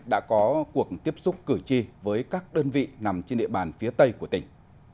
đã có cuộc tiếp xúc cử tri với các đơn vị nằm trên địa bàn phía tây của tỉnh